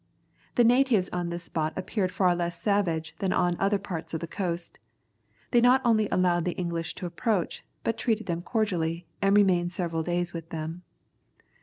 The natives in this spot appeared far less savage than on other parts of the coast. They not only allowed the English to approach, but treated them cordially, and remained several days with them.